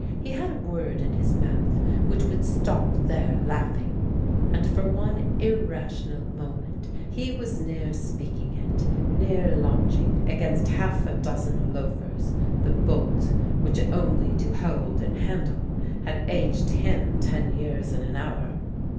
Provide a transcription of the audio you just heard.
He had a word in his mouth which would stop their laughing; and for one irrational moment he was near speaking it, near launching against half a dozen loafers the bolt which only to hold and handle had aged him ten years in an hour.